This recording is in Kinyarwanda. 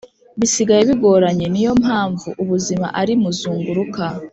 Bisigaye bigoranye niyompamvu ubuzima ari muzunguruka